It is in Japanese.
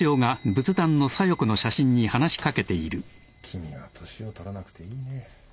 ・君は年を取らなくていいね。